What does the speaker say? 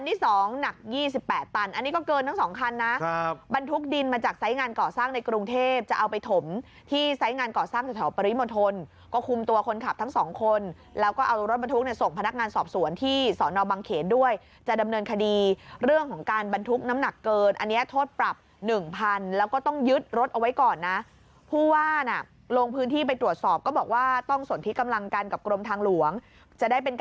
ที่ไซต์งานก่อสร้างจากแถวปริมทนก็คุมตัวคนขับทั้ง๒คนแล้วก็เอารถบรรทุกในส่งพนักงานสอบสวนที่สอนอบางเขตด้วยจะดำเนินคดีเรื่องของการบรรทุกน้ำหนักเกินอันเนี่ยโทษปรับ๑๐๐๐แล้วก็ต้องยึดรถเอาไว้ก่อนนะผู้ว่านะโรงพื้นที่ไปตรวจสอบก็บอกว่าต้องสนที่กำลังกันกับกรมทางหลวงจะได้เป็